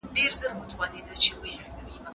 هغه پر وخت نه رسېدی او ستونزه پېښه سوه.